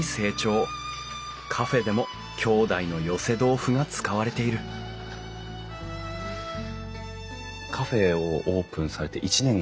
カフェでも兄弟の寄せ豆腐が使われているカフェをオープンされて１年がたったんですか？